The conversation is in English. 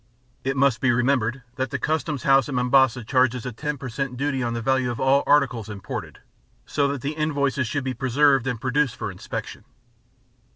It must be remembered that the Customs House at Mombasa charges a 10 per cent duty on the value of all articles imported, so that the invoices should be preserved and produced for inspection.